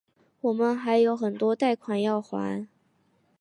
我们还有很多贷款要还